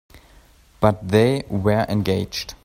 But they were engaged.